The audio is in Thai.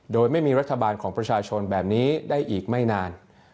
โดยไม่มีรัฐบาลของประชาชนแบบนี้ได้อีกไม่นาน